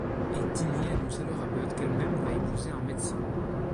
Et Deanie annonce alors à Bud qu'elle-même va épouser un médecin.